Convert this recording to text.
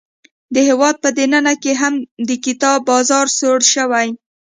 د هیواد په دننه کې هم د کتاب بازار سوړ شوی.